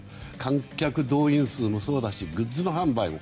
観客動員数もそうだしグッズ販売も。